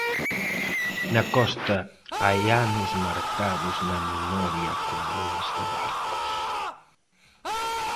Na costa hai anos marcados na memoria con nomes de barcos.